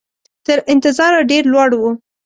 تر انتظار ډېر لوړ وو.